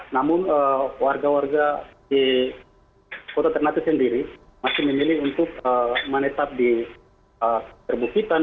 namun warga warga di kota ternate sendiri masih memilih untuk menetap di perbukitan